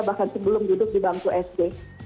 bahkan sebelum duduk di bangku sd